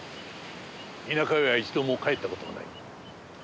田舎へは一度も帰った事がない。